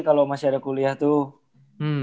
kalau masih ada kuliah tuh